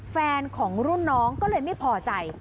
แฟนของรุ่นน้องก็เลยไม่พอใจ